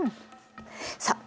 さあ